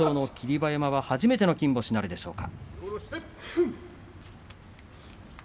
馬山初めての金星なるでしょうか。